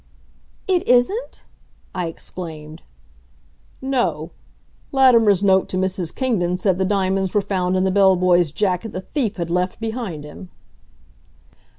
"It isn't?" I exclaimed. "No. Latimer's note to Mrs. Kingdon said the diamonds were found in the bell boy's jacket the thief had left behind him."